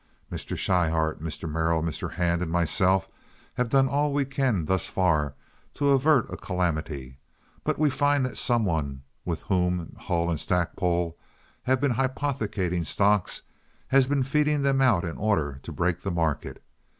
Mr. Schryhart, Mr. Merrill, Mr. Hand, and myself have done all we can thus far to avert a calamity, but we find that some one with whom Hull & Stackpole have been hypothecating stocks has been feeding them out in order to break the market.